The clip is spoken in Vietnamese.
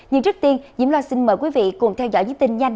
nhưng trước tiên diễm loa xin mời quý vị cùng theo dõi những tin nhanh